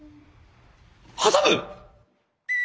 挟む！？